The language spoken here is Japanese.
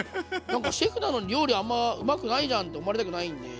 なんかシェフなのに料理あんまうまくないじゃんって思われたくないんで。